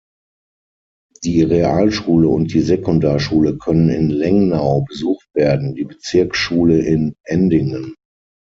Die Realschule und die Sekundarschule können in Lengnau besucht werden, die Bezirksschule in Endingen.